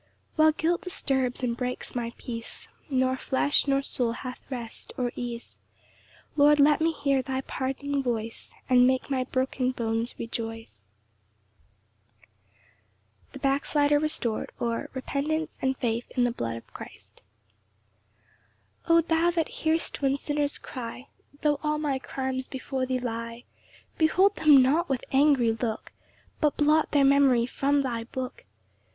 7 While guilt disturbs and breaks my peace, Nor flesh, nor soul hath rest or ease; Lord, let me hear thy pardoning voice, And make my broken bones rejoice. Psalm 51:3. Third Part. L. M. The backslider restored; or, Repentance and faith in the blood of Christ. 1 O thou that hear'st when sinners cry, Tho' all my crimes before thee lie, Behold them not with angry look, But blot their memory from thy book.